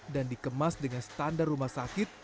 dan dikemas dengan standar rumah sakit